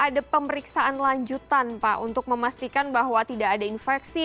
ada pemeriksaan lanjutan pak untuk memastikan bahwa tidak ada infeksi